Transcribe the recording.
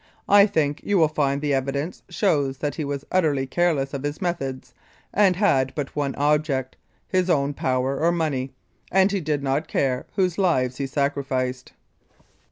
... I think you will find the evidence shows that he was utterly careless of his methods, and had but one object his own power or money and he did not care whose lives he sacrificed.